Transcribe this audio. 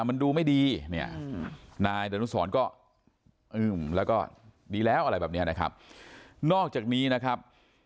มันดูไม่ดีเนี่ยนายดนุสรก็อึ้มแล้วก็ดีแล้วอะไรแบบนี้นะครับนอกจากนี้นะครับ